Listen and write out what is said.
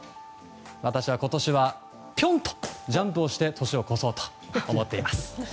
私は今年はぴょんとジャンプをして年を越そうと思っています。